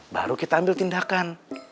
baru kita ambil tindakan